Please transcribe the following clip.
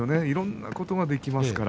いろんなことができます。